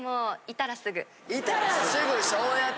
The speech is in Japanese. いたらすぐ。